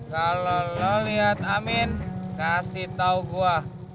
kalau lo liat amin kasih tau gue